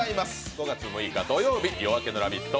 ５月６日土曜日、「夜明けのラヴィット！」